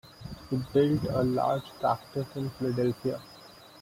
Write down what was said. He built a large practice in Philadelphia.